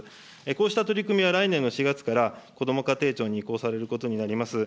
こうした取り組みは来年の４月から、こども家庭庁に移行されることになります。